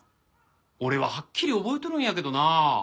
俺ははっきり覚えとるんやけどなあ。